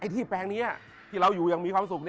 ที่แบงค์นี้ที่เราอยู่ยังมีความสุข